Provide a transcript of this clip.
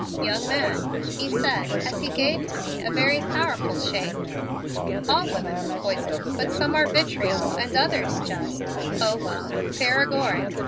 "Young man," he said as he gave to me a very powerful shake, "all women are poison but some are vitriol and others just Oh, well, paregoric.